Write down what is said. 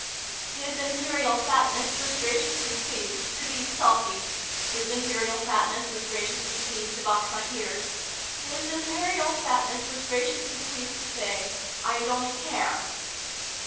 " His Imperial Fatness was graciously pleased to be sulky. His Imperial Fatness was gra ciously pleased to box my ears. His Imperial Fatness was graciously pleased to say ' I don't care